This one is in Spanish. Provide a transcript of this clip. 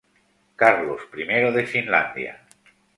Carlos I de Finlandia